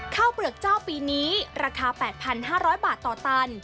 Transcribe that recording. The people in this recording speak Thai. เปลือกเจ้าปีนี้ราคา๘๕๐๐บาทต่อตัน